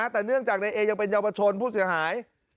แต่เนื่องจากในเอยังเป็นเยาวชนผู้เสียหาย